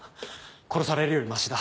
殺されるよりましだ。